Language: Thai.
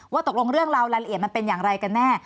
ตกลงเรื่องราวรายละเอียดมันเป็นอย่างไรกันแน่